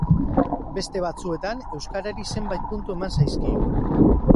Beste batzuetan euskarari zenbait puntu eman zaizkio.